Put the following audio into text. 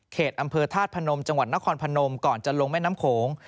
อำเภอธาตุพนมจังหวัดนครพนมก่อนจะลงแม่น้ำโขง